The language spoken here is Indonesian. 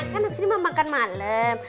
kan abis ini mau makan malem